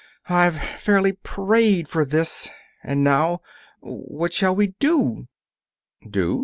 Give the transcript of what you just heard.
I've fairly prayed for this. And now what shall we do?" "Do?"